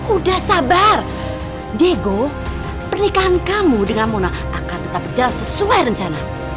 udah sabar diego pernikahan kamu dengan mona akan tetap berjalan sesuai rencana